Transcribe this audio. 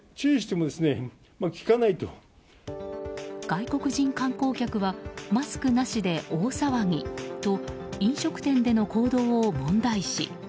外国人観光客はマスクなしで大騒ぎと飲食店での行動を問題視。